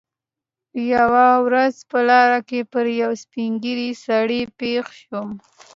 یوه ورځ په لاره کې پر یوه سپین ږیري سړي پېښ شوم.